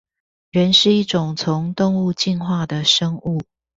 人是一種從動物進化的生物